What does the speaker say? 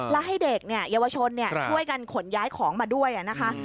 แล้วให้เด็กเนี่ยเยาวชนเนี่ยช่วยกันขนย้ายของมาด้วยอ่ะนะคะ